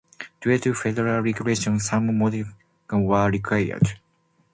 Due to federal regulations, some modifications were required.